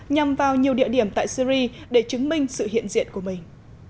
nhằm vào nhiều địa điểm tại syri để chứng minh sự hiện diện của mình